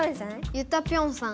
ゆたぴょんさん？